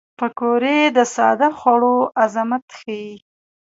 پکورې د ساده خوړو عظمت ښيي